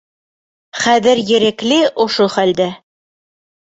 Хәҙер Ерекле ошо хәлдә.